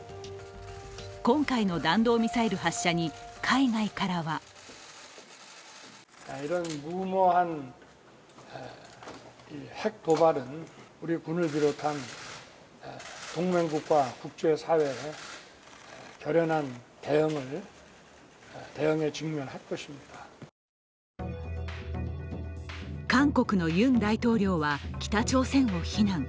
今回の弾道ミサイル発射に海外からは韓国のユン大統領は、北朝鮮を非難。